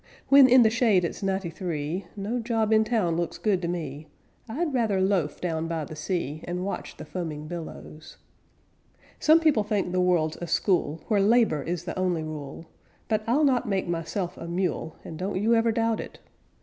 When in the shade it's ninety three, No job in town looks good to me, I'd rather loaf down by the sea, And watch the foaming billows. Some people think the world's a school, Where labor is the only rule; But I'll not make myself a mule, And don't you ever doubt it.